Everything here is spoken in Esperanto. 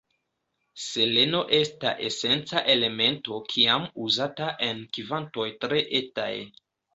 Seleno esta esenca elemento kiam uzata en kvantoj tre etaj.